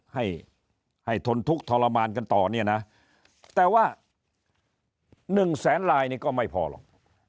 ให้ให้ทนทุกข์ทรมานกันต่อเนี่ยนะแต่ว่า๑แสนลายนี่ก็ไม่พอหรอก